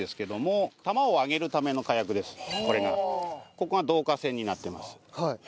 ここが導火線になってます。